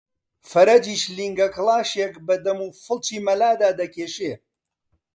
فەرەجیش لینگە کەڵاشێک بە دەم و فڵچی مەلادا دەکێشێ